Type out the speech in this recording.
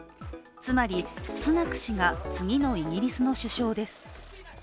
つまり、スナク氏が次のイギリスの首相です。